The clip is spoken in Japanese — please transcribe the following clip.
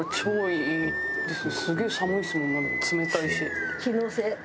すげえ寒いですもん冷たいし。